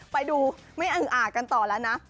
ไปดูไม่อึงอ่ากันต่อแล้วนะ